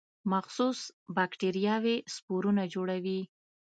مخصوص باکتریاوې سپورونه جوړوي.